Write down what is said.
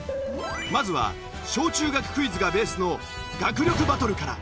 まずは小中学クイズがベースの学力バトルから。